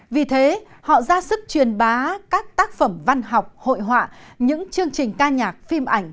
vì thế họ ra sức truyền bá các tác phẩm văn học hội họa những chương trình ca nhạc phim ảnh